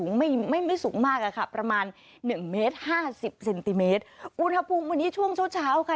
อุณหภูมิวันนี้ช่วงเช้าค่ะ